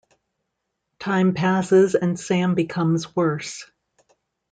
Time passes and Sam becomes worse.